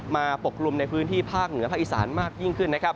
ปกกลุ่มในพื้นที่ภาคเหนือภาคอีสานมากยิ่งขึ้นนะครับ